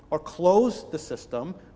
atau menutup sistemnya